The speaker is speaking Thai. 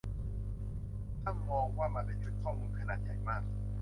ถ้ามองมันว่าเป็นชุดข้อมูล ขนาดใหญ่มาก